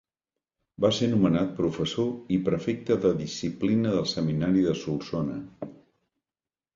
Va ser nomenat professor i prefecte de disciplina del Seminari de Solsona.